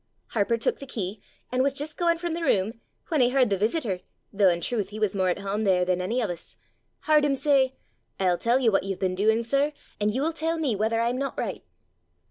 Harper took the key, an' was jist gaein' from the room, when he h'ard the visitor though in truth he was more at hame there than any of us h'ard him say, 'I'll tell you what you've been doing, sir, and you'll tell me whether I'm not right!